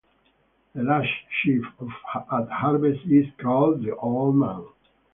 The last sheaf at harvest is called the Old Man.